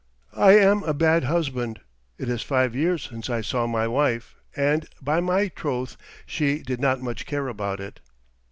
I am a bad husband. It is five years since I saw my wife, and, by my troth, she did not much care about it."